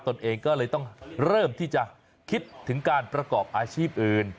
ตนเองก็เลยต้องเริ่มที่จะคิดถึงการประกอบอาชีพอื่น